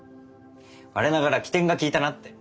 我ながら機転が利いたなって。